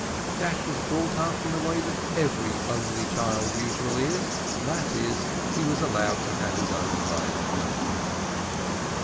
Jack was brought up in the way that every only child usually is that is, he was allowed to have his own way.